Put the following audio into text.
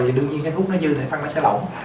thì đương nhiên cái thuốc nó dư thì phân nó sẽ lỏng